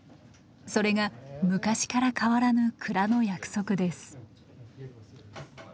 それが昔から変わらぬ蔵の約束です。